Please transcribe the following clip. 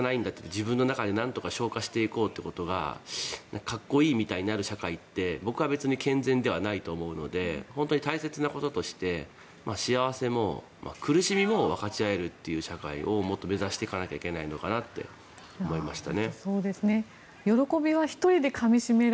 自分の中でなんとか消化しておこうということがかっこいいみたいになる社会って僕は別に健全じゃないと思うので本当に大切なこととして幸せも苦しみも分かち合えるっていう社会をもっと目指していかなきゃいけないのかなって思いました。